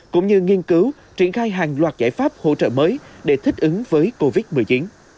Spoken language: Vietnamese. cũng như nghiên cứu triển khai hàng loạt giải pháp hỗ trợ mới để thích ứng với covid một mươi chín